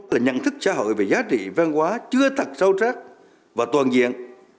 là nhận thức xã hội về giá trị văn hóa chưa thật sâu trắc và toàn diện